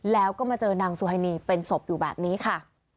แล้วก็มาเจอนางสุฮานีเป็นศพอยู่แบบนี้ค่ะ